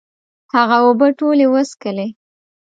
هغه اوبه ټولي وڅکلي